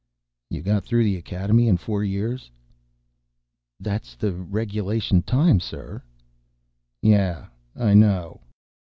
"You got through the Academy in four years?" "That's the regulation time, sir." "Yes, I know."